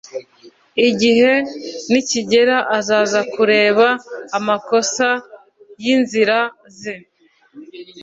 Igihe nikigera azaza kureba amakosa yinzira ze.